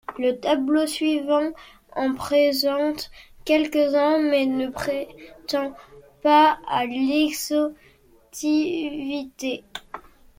Le tableau suivant en présente quelques-uns, mais ne prétend pas à l'exhaustivité.